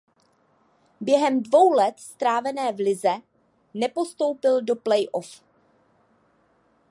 Během dvou let strávené v lize nepostoupil do playoff.